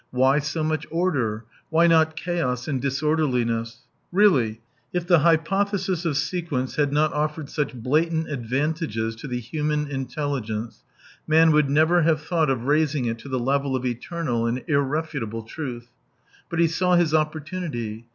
Why so much order ? Why not chaos and disorderliness ? Really, if the hypothesis of sequence had not offered such blatant advantages to the human intelligence, man would never have thought of raising it to the rank of etetnal and irrefutable truth. But he saw his opportunity.